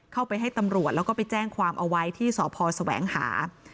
ให้ตำรวจแล้วก็ไปแจ้งความเอาไว้ที่สพแสวงหา